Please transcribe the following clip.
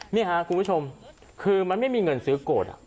นี่ค่ะคุณผู้ชมคือมันไม่มีเงินซื้อโกรธ